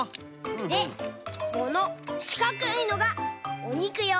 でこのしかくいのがおにくよう。